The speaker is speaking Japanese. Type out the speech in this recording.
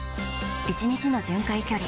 １日の巡回距離